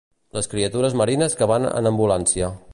Les criatures marines que van en ambulància.